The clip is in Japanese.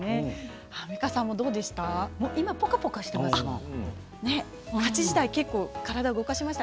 アンミカさんどうでした？